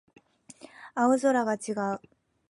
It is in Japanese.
青空が違う